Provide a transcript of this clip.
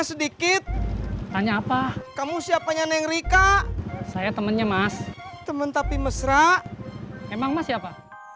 sedikit tanya apa kamu siapanya neng rika saya temannya mas temen tapi mesra emang mas siapa